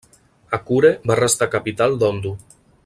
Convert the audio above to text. Akure va restar capital d'Ondo.